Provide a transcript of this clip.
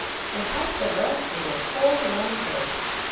They hide so well through the whole long day.